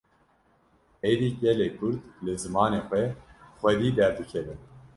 Êdî gelê Kurd, li zimanê xwe xwedî derdikeve